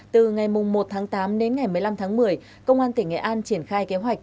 từ ngày một tháng tám đến ngày một mươi năm tháng một mươi công an tỉnh nghệ an triển khai kế hoạch